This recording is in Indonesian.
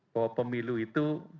bahwa pemilu itu